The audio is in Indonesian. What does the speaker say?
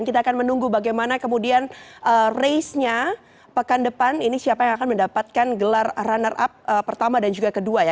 kita akan menunggu bagaimana kemudian race nya pekan depan ini siapa yang akan mendapatkan gelar runner up pertama dan juga kedua ya